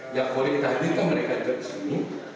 yang boleh ditahankan mereka juga disini